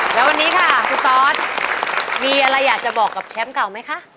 แล้ววันนี้ค่ะคุณตอสมีอะไรอยากจะบอกกับแชมป์เก่าไหมคะ